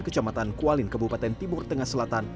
kecamatan kualin kabupaten timur tengah selatan